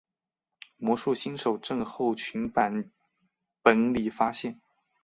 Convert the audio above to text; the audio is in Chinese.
魔术新手症候群版本里发现。